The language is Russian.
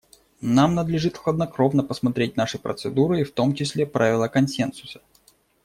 Нам надлежит хладнокровно посмотреть наши процедуры, и в том числе правило консенсуса.